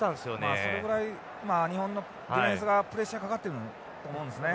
まあそのぐらい日本のディフェンスがプレッシャーかかってると思うんですね。